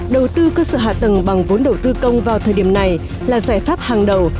đầu tư cơ sở hạ tầng bằng vốn đầu tư công vào thời điểm này là giải pháp hàng đầu